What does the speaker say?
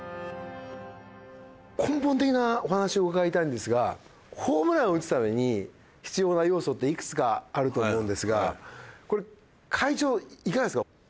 根本的なお話を伺いたいんですがホームランを打つために必要な要素っていくつかあると思うんですがこれ会長いかがですか？